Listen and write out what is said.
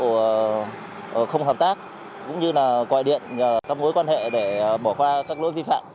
nhiều trường hợp tỏ ra thái độ không hợp tác cũng như là quài điện các mối quan hệ để bỏ qua các lỗi vi phạm